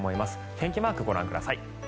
天気マークご覧ください。